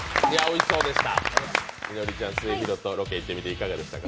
いのりちゃん、すゑひろとロケ行ってみて、いかがでしたか？